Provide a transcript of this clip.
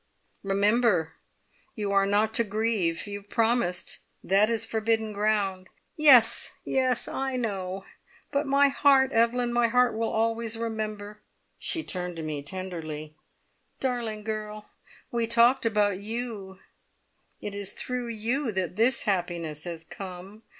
"Remember you are not to grieve! You have promised. That is forbidden ground!" "Yes yes, I know, but my heart, Evelyn! My heart will always remember." She turned to me tenderly. "Darling girl! we talked about you it is through you that this happiness has come.